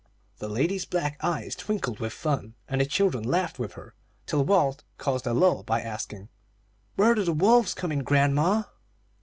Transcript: The old lady's black eyes twinkled with fun, and the children laughed with her, till Walt caused a lull by asking: "Where do the wolves come in, grandma?"